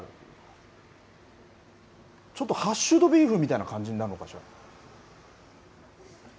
ちょっとハッシュドビーフみたいになるのかしら。